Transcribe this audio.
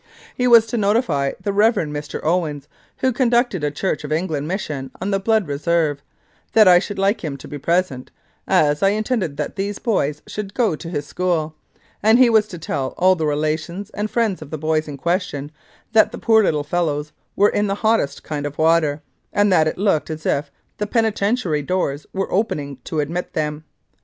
He was to notify the Rev. Mr. Owens, who con ducted a Church of England Mission on the Blood Reserve, that I should like him to be present, as I intended that these boys should go to his school, and he was to tell all the relations and friends of the boys in question that the poor little fellows were in the hottest kind of water, and that it looked as if the penitentiary doors were opening to admit them.